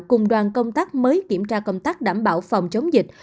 cùng đoàn công tác mới kiểm tra công tác đảm bảo phòng chống dịch